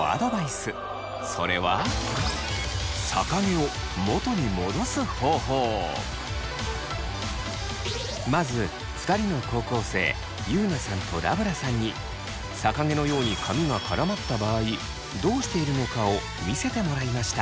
それはまず２人の高校生ゆうなさんとラブラさんに逆毛のように髪が絡まった場合どうしているのかを見せてもらいました。